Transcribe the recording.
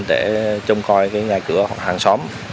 để trông coi cái nhà cửa hoặc hàng xóm